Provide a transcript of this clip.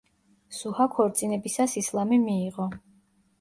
სუჰა ქორწინებისას ისლამი მიიღო.